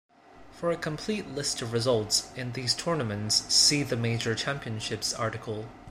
For a complete list of results in these tournaments see the major championships article.